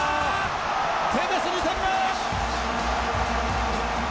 テベス２点目！